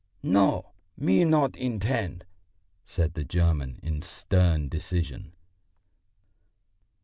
"No, me not intend," said the German in stern decision.